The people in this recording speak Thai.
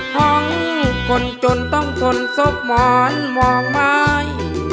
ห้องคนจนต้องทนซบหมอนมองไม้